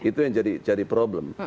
itu yang jadi problem